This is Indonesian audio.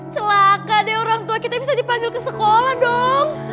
celaka deh orang tua kita bisa dipanggil ke sekolah dong